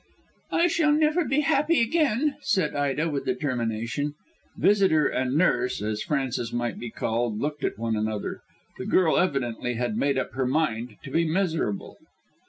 "I shall never be happy again," said Ida with determination. Visitor and nurse as Frances might be called looked at one another. The girl evidently had made up her mind to be miserable.